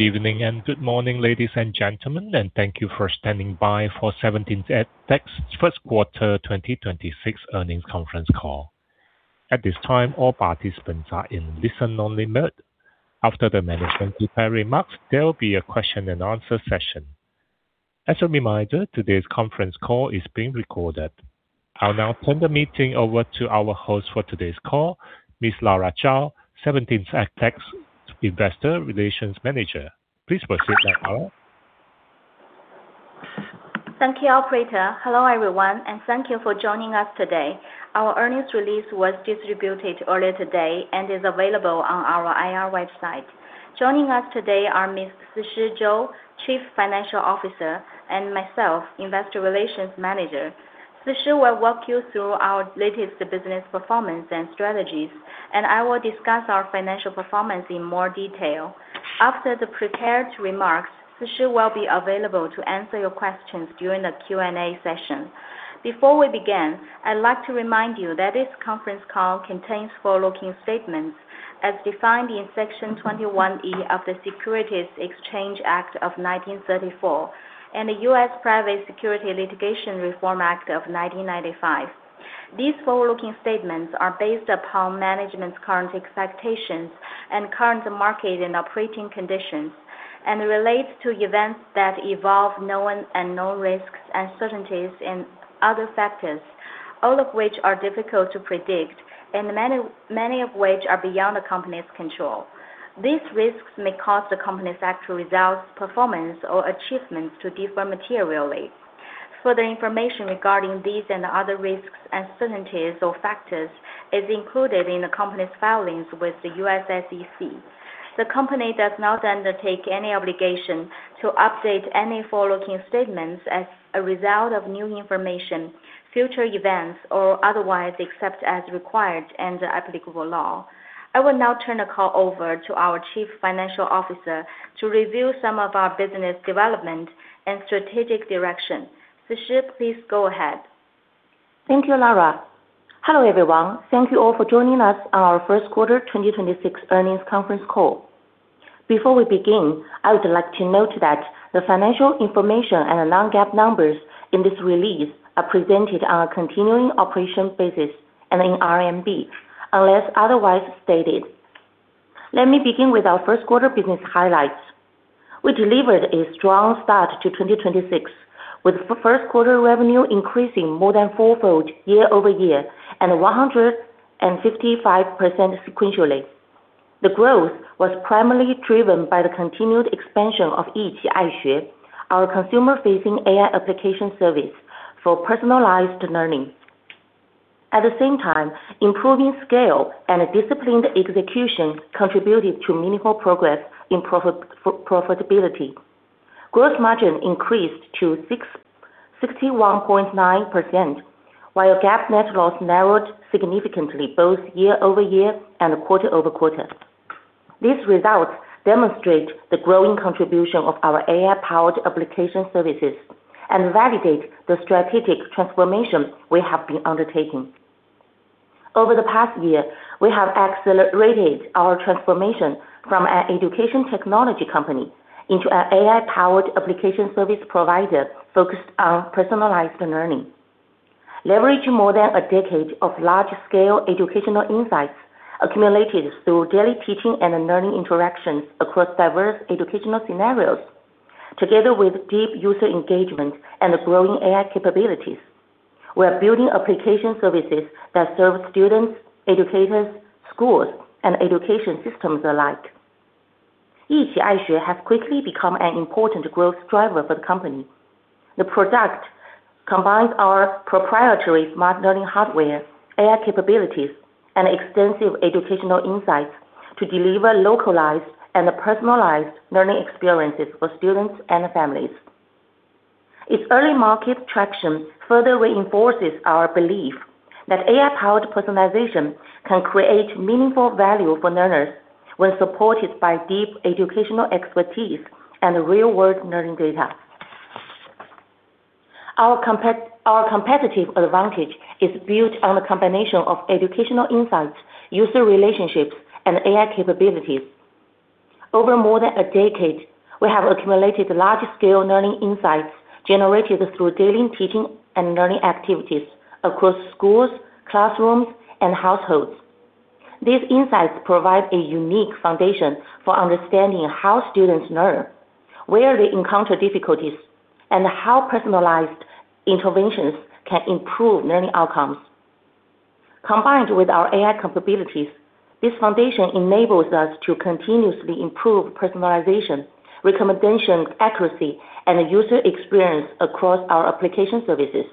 Good evening and good morning, ladies and gentlemen, and thank you for standing by for 17EdTech's first quarter 2026 earnings conference call. At this time, all participants are in listen-only mode. After the management prepared remarks, there will be a question and answer session. As a reminder, today's conference call is being recorded. I'll now turn the meeting over to our host for today's call, Ms. Lara Zhao, 17EdTech's Investor Relations Manager. Please proceed, Lara. Thank you, Operator. Hello, everyone, and thank you for joining us today. Our earnings release was distributed earlier today and is available on our IR website. Joining us today are Ms. Sishi Zhou, Chief Financial Officer, and myself, Investor Relations Manager. Sishi will walk you through our latest business performance and strategies, and I will discuss our financial performance in more detail. After the prepared remarks, Sishi will be available to answer your questions during the Q&A session. Before we begin, I'd like to remind you that this conference call contains forward-looking statements as defined in Section 21E of the Securities Exchange Act of 1934 and the U.S. Private Securities Litigation Reform Act of 1995. These forward-looking statements are based upon management's current expectations and current market and operating conditions and relate to events that involve known and unknown risks, uncertainties, and other factors, all of which are difficult to predict, and many of which are beyond the company's control. These risks may cause the company's actual results, performance, or achievements to differ materially. Further information regarding these and other risks, uncertainties, or factors is included in the company's filings with the U.S. SEC. The company does not undertake any obligation to update any forward-looking statements as a result of new information, future events, or otherwise, except as required under applicable law. I will now turn the call over to our chief financial officer to review some of our business development and strategic direction. Sishi, please go ahead. Thank you, Lara. Hello, everyone. Thank you all for joining us on our first quarter 2026 earnings conference call. Before we begin, I would like to note that the financial information and the non-GAAP numbers in this release are presented on a continuing operations basis and in CNY, unless otherwise stated. Let me begin with our first quarter business highlights. We delivered a strong start to 2026, with first quarter revenue increasing more than fourfold year-over-year and 155% sequentially. The growth was primarily driven by the continued expansion of Yiqi Aixue, our consumer-facing AI application service for personalized learning. At the same time, improving scale and disciplined execution contributed to meaningful progress in profitability. Gross margin increased to 61.9%, while GAAP net loss narrowed significantly both year-over-year and quarter-over-quarter. These results demonstrate the growing contribution of our AI-powered application services and validate the strategic transformation we have been undertaking. Over the past year, we have accelerated our transformation from an education technology company into an AI-powered application service provider focused on personalized learning. Leveraging more than a decade of large-scale educational insights accumulated through daily teaching and learning interactions across diverse educational scenarios. Together with deep user engagement and growing AI capabilities, we're building application services that serve students, educators, schools, and education systems alike. Yiqi Aixue has quickly become an important growth driver for the company. The product combines our proprietary smart learning hardware, AI capabilities, and extensive educational insights to deliver localized and personalized learning experiences for students and families. Its early market traction further reinforces our belief that AI-powered personalization can create meaningful value for learners when supported by deep educational expertise and real-world learning data. Our competitive advantage is built on a combination of educational insights, user relationships, and AI capabilities. Over more than a decade, we have accumulated large-scale learning insights generated through daily teaching and learning activities across schools, classrooms, and households. These insights provide a unique foundation for understanding how students learn, where they encounter difficulties, and how personalized interventions can improve learning outcomes. Combined with our AI capabilities, this foundation enables us to continuously improve personalization, recommendation accuracy, and user experience across our application services.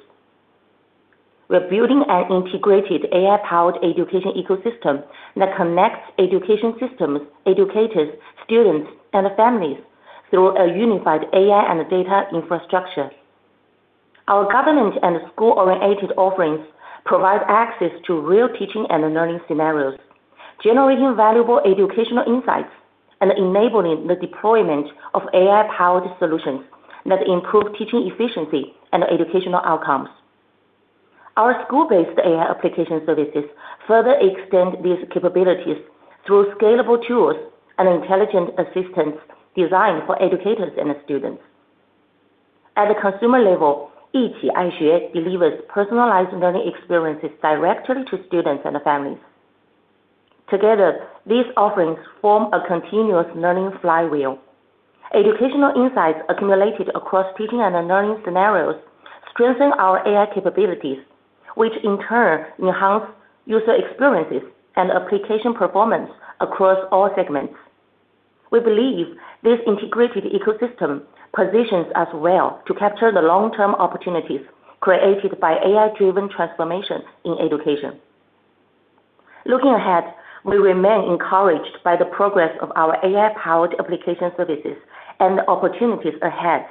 We're building an integrated AI-powered education ecosystem that connects education systems, educators, students, and families through a unified AI and data infrastructure. Our government and school-oriented offerings provide access to real teaching and learning scenarios, generating valuable educational insights and enabling the deployment of AI-powered solutions that improve teaching efficiency and educational outcomes. Our school-based AI application services further extend these capabilities through scalable tools and intelligent assistants designed for educators and students. At the consumer level, Yiqi Aixue delivers personalized learning experiences directly to students and families. Together, these offerings form a continuous learning flywheel. Educational insights accumulated across teaching and learning scenarios strengthen our AI capabilities, which in turn enhance user experiences and application performance across all segments. We believe this integrated ecosystem positions us well to capture the long-term opportunities created by AI-driven transformations in education. Looking ahead, we remain encouraged by the progress of our AI-powered application services and the opportunities ahead.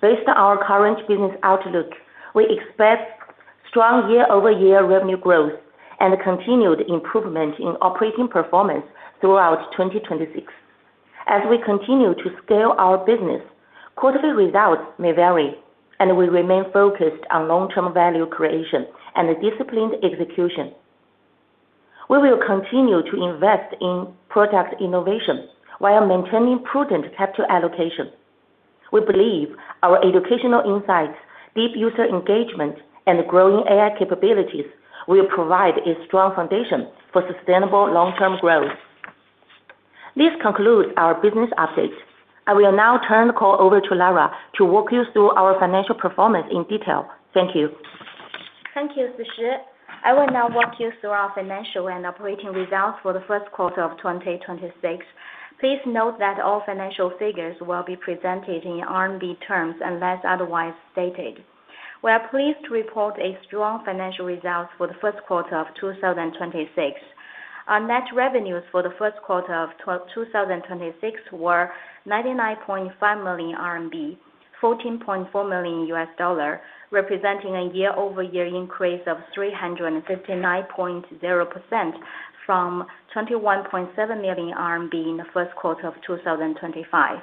Based on our current business outlook, we expect strong year-over-year revenue growth and continued improvement in operating performance throughout 2026. As we continue to scale our business, quarterly results may vary, and we remain focused on long-term value creation and disciplined execution. We will continue to invest in product innovation while maintaining prudent capital allocation. We believe our educational insights, deep user engagement, and growing AI capabilities will provide a strong foundation for sustainable long-term growth. This concludes our business update. I will now turn the call over to Lara to walk you through our financial performance in detail. Thank you. Thank you, Sishi. I will now walk you through our financial and operating results for the first quarter of 2026. Please note that all financial figures will be presented in CNY terms unless otherwise stated. We are pleased to report a strong financial result for the first quarter of 2026. Our net revenues for the first quarter of 2026 were 99.5 million RMB, $14.4 million, representing a year-over-year increase of 359.0% from 21.7 million RMB in the first quarter of 2025.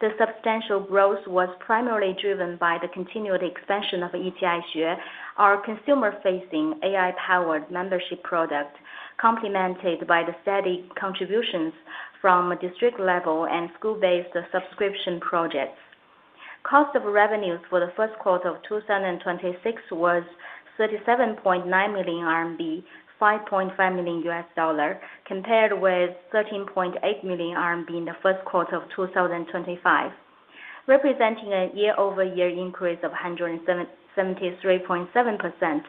The substantial growth was primarily driven by the continued expansion of Yiqi Aixue, our consumer-facing AI-powered membership product, complemented by the steady contributions from district-level and school-based subscription projects. Cost of revenues for the first quarter of 2026 was 37.9 million RMB, $5.5 million, compared with 13.8 million RMB in the first quarter of 2025, representing a year-over-year increase of 173.7%.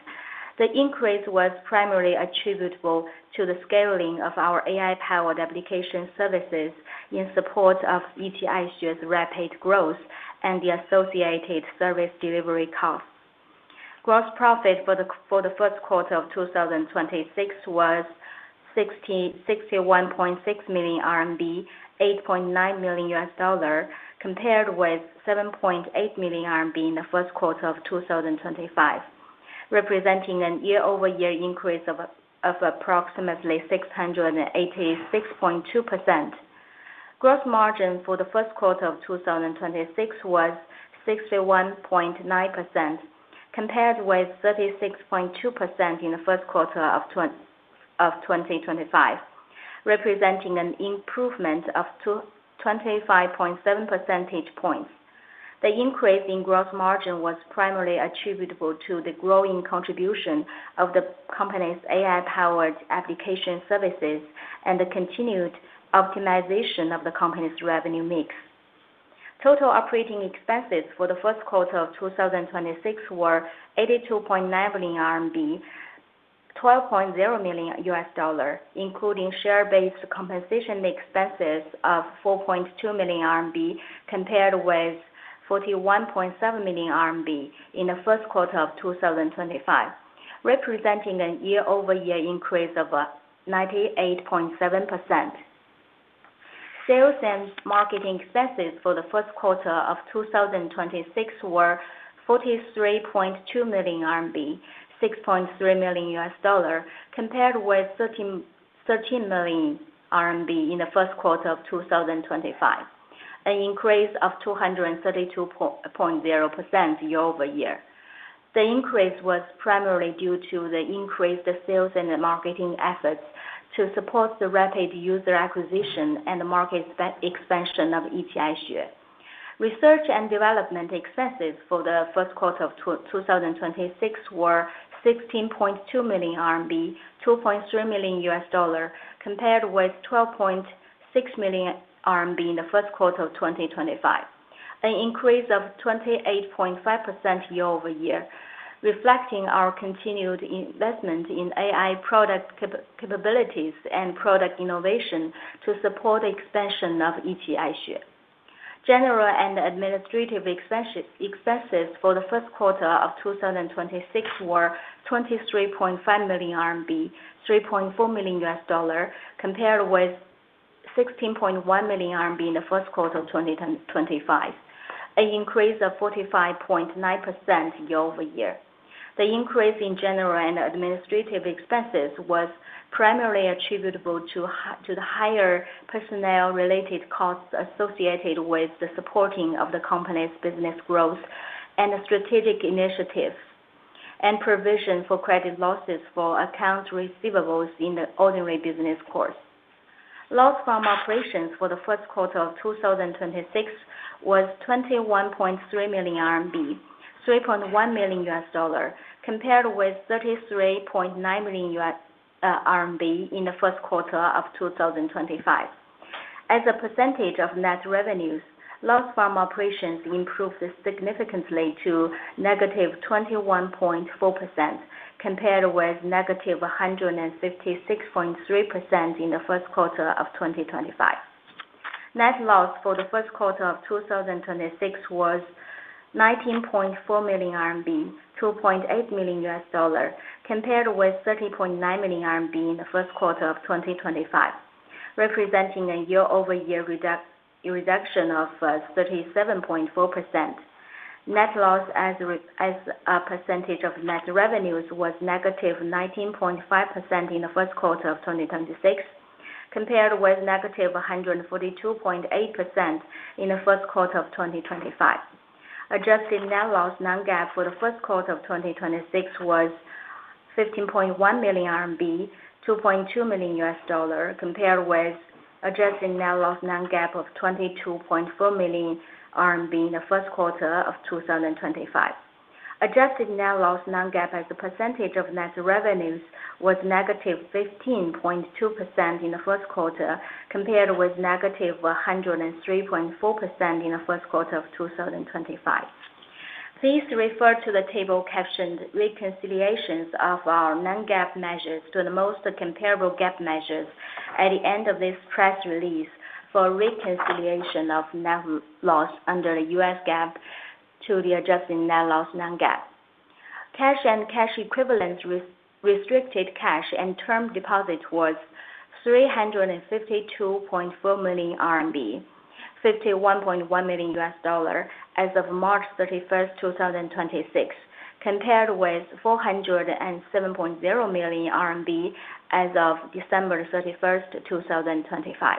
The increase was primarily attributable to the scaling of our AI-powered application services in support of Yiqi Aixue's rapid growth and the associated service delivery costs. Gross profit for the first quarter of 2026 was 61.6 million RMB, $8.9 million, compared with 7.8 million RMB in the first quarter of 2025, representing an year-over-year increase of approximately 686.2%. Gross margin for the first quarter of 2026 was 61.9%, compared with 36.2% in the first quarter of 2025, representing an improvement of 25.7 percentage points. The increase in gross margin was primarily attributable to the growing contribution of the company's AI-powered application services and the continued optimization of the company's revenue mix. Total operating expenses for the first quarter of 2026 were 82.9 million RMB, $12.0 million, including share-based compensation expenses of 4.2 million RMB, compared with 41.7 million RMB in the first quarter of 2025, representing a year-over-year increase of 98.7%. Sales and marketing expenses for the first quarter of 2026 were 43.2 million RMB, $6.3 million, compared with 13 million RMB in the first quarter of 2025, an increase of 232.0% year-over-year. The increase was primarily due to the increased sales and the marketing efforts to support the rapid user acquisition and market expansion of Yiqi Aixue. Research and development expenses for the first quarter of 2026 were 16.2 million RMB, $2.3 million, compared with 12.6 million RMB in the first quarter of 2025, an increase of 28.5% year-over-year, reflecting our continued investment in AI product capabilities and product innovation to support expansion of Yiqi Aixue. General and administrative expenses for the first quarter of 2026 were 23.5 million RMB, $3.4 million, compared with 16.1 million RMB in the first quarter of 2025, an increase of 45.9% year-over-year. The increase in general and administrative expenses was primarily attributable to the higher personnel-related costs associated with the supporting of the company's business growth and strategic initiatives. Provision for credit losses for accounts receivables in the ordinary business course. Loss from operations for the first quarter of 2026 was 21.3 million RMB, $3.1 million, compared with 33.9 million RMB in the first quarter of 2025. As a percentage of net revenues, loss from operations improved significantly to -21.4%, compared with -156.3% in the first quarter of 2025. Net loss for the first quarter of 2026 was 19.4 million RMB, $2.8 million, compared with 30.9 million RMB in the first quarter of 2025, representing a year-over-year reduction of 37.4%. Net loss as a percentage of net revenues was -19.5% in the first quarter of 2026, compared with -142.8% in the first quarter of 2025. Adjusted net loss non-GAAP for the first quarter of 2026 was 15.1 million RMB, $2.2 million, compared with adjusted net loss non-GAAP of 22.4 million RMB in the first quarter of 2025. Adjusted net loss non-GAAP as a percentage of net revenues was -15.2% in the first quarter, compared with -103.4% in the first quarter of 2025. Please refer to the table captioned "Reconciliations of Our Non-GAAP Measures to the Most Comparable GAAP Measures" at the end of this press release for a reconciliation of net loss under the U.S. GAAP to the adjusted net loss non-GAAP. Cash and cash equivalents restricted cash and term deposits was 352.4 million RMB, $51.1 million as of March 31st, 2026, compared with 407.0 million RMB as of December 31st, 2025.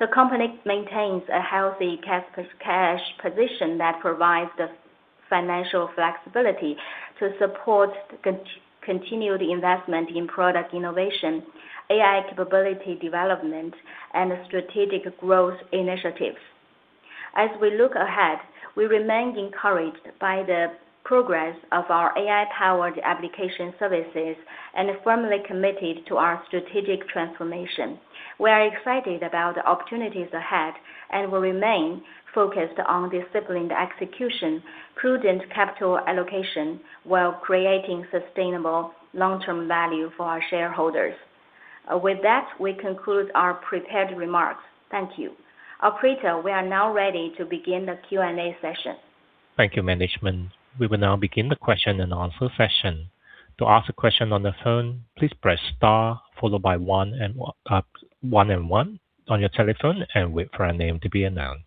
The company maintains a healthy cash position that provides the financial flexibility to support continued investment in product innovation, AI capability development, and strategic growth initiatives. As we look ahead, we remain encouraged by the progress of our AI-powered application services and are firmly committed to our strategic transformation. We are excited about the opportunities ahead and will remain focused on disciplined execution, prudent capital allocation, while creating sustainable long-term value for our shareholders. With that, we conclude our prepared remarks. Thank you. Operator, we are now ready to begin the Q&A session. Thank you, management. We will now begin the question and answer session. To ask a question on the phone, please press star followed by one and one on your telephone and wait for your name to be announced.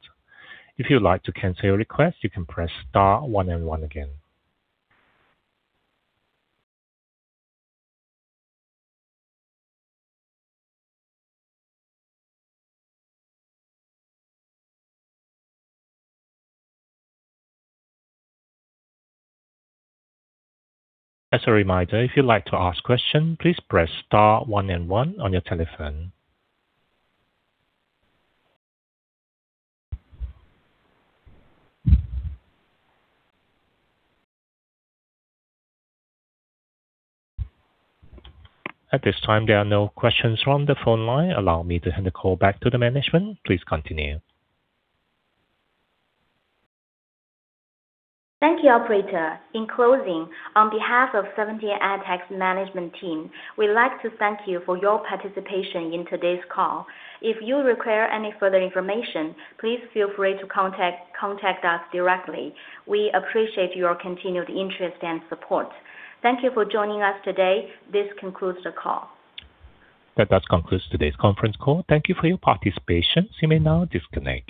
If you'd like to cancel your request, you can press star one and one again. As a reminder, if you'd like to ask a question, please press star one and one on your telephone. At this time, there are no questions from the phone line. Allow me to hand the call back to the management. Please continue. Thank you, Operator. In closing, on behalf of 17EdTech's management team, we'd like to thank you for your participation in today's call. If you require any further information, please feel free to contact us directly. We appreciate your continued interest and support. Thank you for joining us today. This concludes the call. That does conclude today's conference call. Thank you for your participation. You may now disconnect.